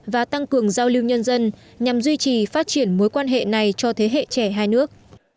và tăng cường giao lưu nhân dân nhằm duy trì phát triển mối quan hệ này cho thế hệ trẻ hai nước